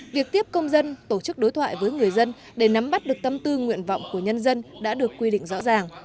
việc tiếp công dân tổ chức đối thoại với người dân để nắm bắt được tâm tư nguyện vọng của nhân dân đã được quy định rõ ràng